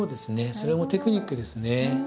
それもテクニックですね。